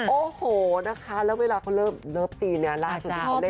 โอ้โหนะคะแล้วเวลาเขาเลิฟตีนล่าสุดท้องเล่นละคร